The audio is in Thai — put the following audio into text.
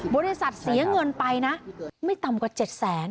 บริษัทเสียเงินไปนะไม่ต่ำกว่า๗๐๐๐๐๐บาท